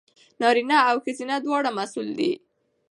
نارینه او ښځینه دواړه مسوول دي.